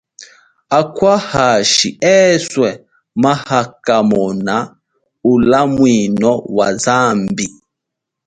Akwa hashi eswe maakamona ulamwino wa zambi.